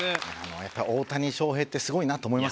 やっぱり大谷翔平ってすごいなと思いますけどね。